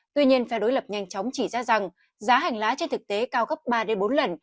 tuy nhiên phe đối lập nhanh chóng chỉ ra rằng giá hành lá trên thực tế cao gấp ba bốn lần